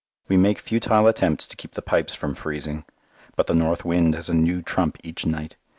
We make futile attempts to keep the pipes from freezing; but the north wind has a new trump each night.